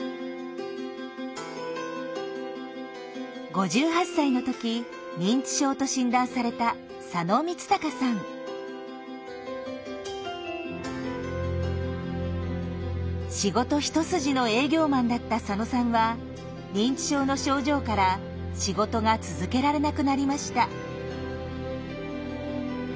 ５８歳の時認知症と診断された仕事一筋の営業マンだった佐野さんは認知症の症状から仕事が続けられなくなりました。